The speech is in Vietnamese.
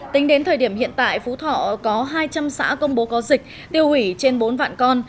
tính đến thời điểm hiện tại phú thọ có hai trăm linh xã công bố có dịch tiêu hủy trên bốn vạn con